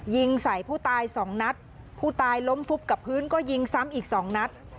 ยิงใส่ผู้ตายสองนัดผู้ตายล้มฟุบกับพื้นก็ยิงซ้ำอีกสองนัด